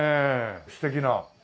素敵な。